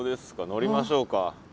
乗りましょうか。